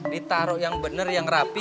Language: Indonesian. ditaruh yang benar yang rapi